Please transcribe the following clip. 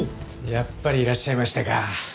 やっぱりいらっしゃいましたか。